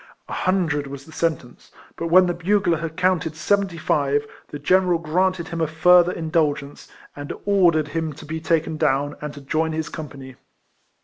A hun dred was the sentence ; but when the bugler had counted seventy five, the general granted him a further indulgence, and ordered him to be taken down, and to join his company.